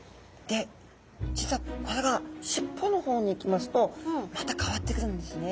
で実はこれがしっぽの方にいきますとまた変わってくるんですね。